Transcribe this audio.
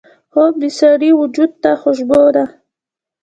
خوب د سړي وجود ته خوشبو ده